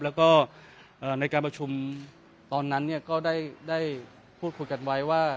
แล้วก็ในการประชุมตอนนั้นก็ได้พูดคุยกันไว้ว่า